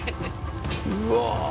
うわ。